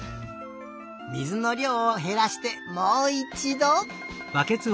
水のりょうをへらしてもういちど！